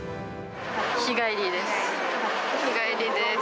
日帰りです。